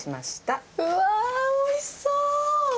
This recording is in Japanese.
うわぁおいしそう！